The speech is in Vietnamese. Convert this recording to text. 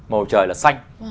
màu trời là xanh